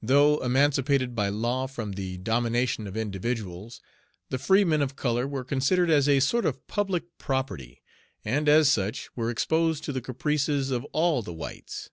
Though emancipated by law from the domination of individuals, the free men of color were considered as a sort of public property, and, as such, were exposed to the caprices of all the whites.